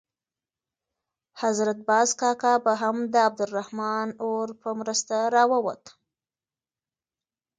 حضرت باز کاکا به هم د عبدالرحمن اور په مرسته راووت.